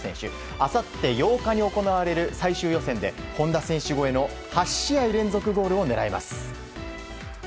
あさって８日に行われる最終予選で本田選手超えの８試合連続ゴールを狙います。